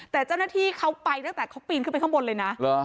แต่เจ้าหน้าที่เขาไปตั้งแต่เขาปีนขึ้นไปข้างบนเลยนะ